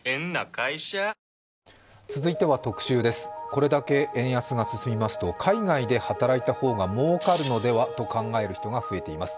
これだけ円安が進みますと海外で働いた方が儲かるのではと考える人が増えています。